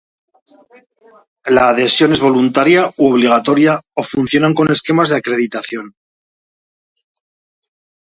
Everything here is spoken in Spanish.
La adhesión es voluntaria u obligatoria o funcionan con esquemas de acreditación.